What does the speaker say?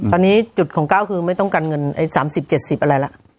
ตอนนี้จุดของก้าวคือไม่ต้องการเงิน๓๐๗๐อะไรละ